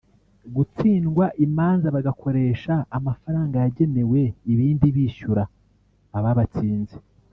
gutsindwa imanza bagakoresha amafaranga yagenewe ibindi bishyura ababatsinze